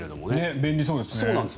便利そうですね。